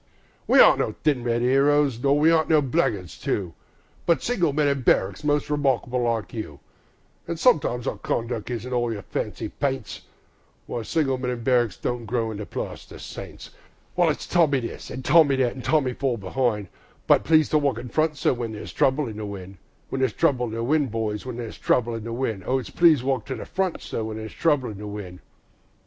We aren't no thin red 'eroes, nor we aren't no blackguards too, But single men in barricks, most remarkable like you; An' if sometimes our conduck isn't all your fancy paints, Why, single men in barricks don't grow into plaster saints; While it's Tommy this, an' Tommy that, an' "Tommy, fall be'ind", But it's "Please to walk in front, sir", when there's trouble in the wind, There's trouble in the wind, my boys, there's trouble in the wind, O it's "Please to walk in front, sir", when there's trouble in the wind.